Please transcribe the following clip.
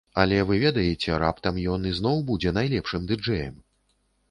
Але вы ведаеце, раптам ён ізноў будзе найлепшым ды-джэем?